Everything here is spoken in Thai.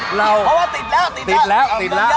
เพราะว่าติดแล้วติดแล้วติดแล้วติดแล้ว